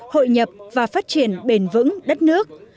hội nhập và phát triển bền vững đất nước